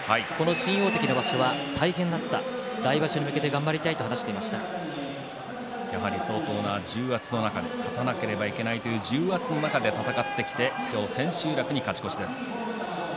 新大関の場所は大変だった来場所に向けて頑張りたい相当な重圧の中で勝たなくてはいけないという重圧の中で戦ってきて今日、千秋楽に勝ち越しました。